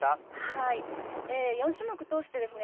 はい４種目通してですね